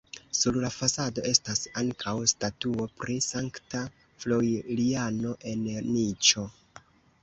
Sur la fasado estas ankaŭ statuo pri Sankta Floriano en niĉo.